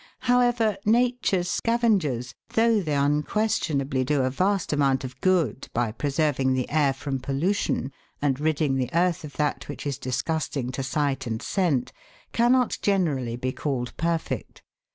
However, Nature's scavengers, though they unquestion ably do a vast amount of good, by preserving the air from pollution and ridding the earth of that which is disgusting to sight and scent, cannot generally be called perfect.